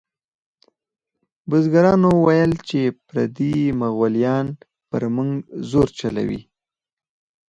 بزګرانو ویل چې پردي مغولیان پر موږ زور چلوي.